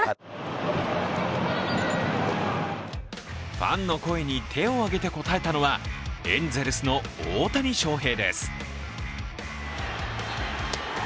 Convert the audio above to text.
ファンの声に手を上げて応えたのは、エンゼルスの大谷翔平です。